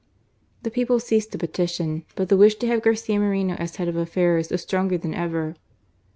The people ceased to petition : but the wish to have Garcia Moreno as head of affairs was stronger than ever.